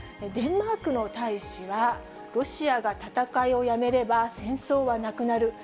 デンマークの大使は、ロシアが戦いをやめれば戦争はなくなる。